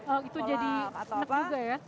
oh itu jadi enak juga ya